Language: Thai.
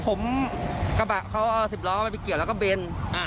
ผมกระบะเขาเอา๑๐ล้อมันไปเกี่ยวแล้วก็เบน